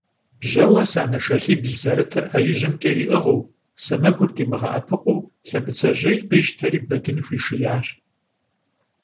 Бжьэуэ санэ шалъибл зэрытыр Ӏэ ижьымкӀэ иӀыгъыу, сэмэгур димыгъэӀэпыкъуу Лъэбыцэжьей къищтэри Бэдын хуишиящ.